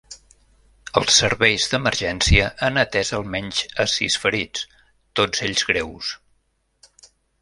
Els serveis d’emergència han atès almenys a sis ferits, tots ells greus.